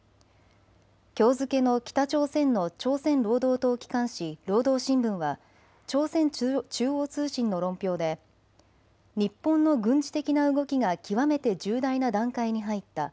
きょう付けの北朝鮮の朝鮮労働党機関紙、労働新聞は朝鮮中央通信の論評で日本の軍事的な動きが極めて重大な段階に入った。